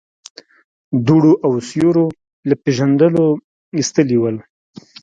دوړو او سيورو له پېژندلو ايستلي ول.